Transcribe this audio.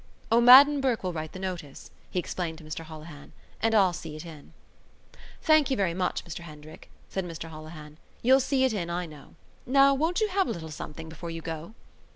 "O'Madden Burke will write the notice," he explained to Mr Holohan, "and I'll see it in." "Thank you very much, Mr Hendrick," said Mr Holohan, "you'll see it in, I know. Now, won't you have a little something before you go?"